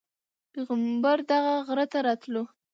پیغمبر دغه غره ته راتللو.